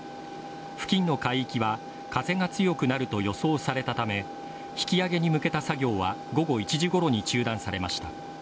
付近の海域は、風が強くなると予想されたため、引き揚げに向けた作業は午後１時ごろに中断されました。